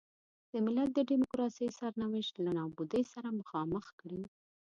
د ملت د ډیموکراسۍ سرنوشت له نابودۍ سره مخامخ کړي.